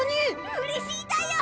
うれしいだよ！